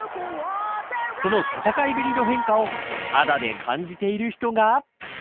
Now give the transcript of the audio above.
その戦いぶりに変化を肌で感じている人が。